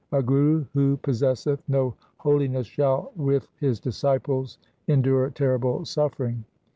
A guru who possesseth no holiness shall with his disciples endure terrible suffering.